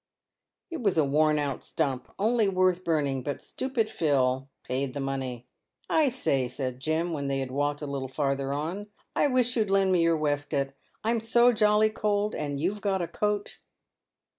It was a worn out stump, only worth burning, but stupid Phil paid the money. " I say," said Jim, when they had walked a little further on, "I wish you'd lend me your waistcut. I'm so jolly cold, and you've got a coat."